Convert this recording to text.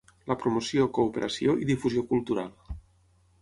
La promoció, cooperació i difusió cultural.